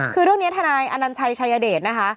คือเรื่องนี้ทนายอนัญชัยชายเดชนะคะ